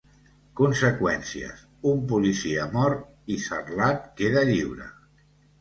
Conseqüències: un policia mor i Sarlat queda lliure.